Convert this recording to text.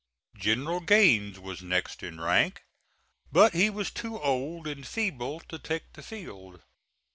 General Gaines was next in rank, but he was too old and feeble to take the field.